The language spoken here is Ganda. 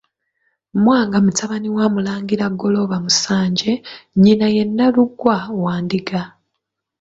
MWANGA mutabani wa Mulangira Ggolooba Musanje, nnyina ye Nnalugwa wa Ndiga.